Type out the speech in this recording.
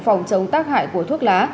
phòng chống tác hại của thuốc lá